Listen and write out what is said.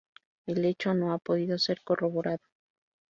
El hecho no ha podido ser corroborado.